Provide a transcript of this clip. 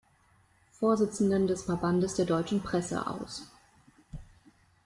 Vorsitzenden des Verbandes der deutschen Presse aus.